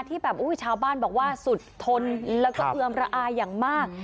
ที่แบบชาวบ้านบอกว่าสุดทนแล้วก็เอือมระอาอย่างมาก